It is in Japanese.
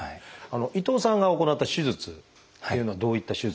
伊藤さんが行った手術というのはどういった手術なんでしょうか？